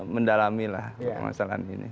mendalami masalah ini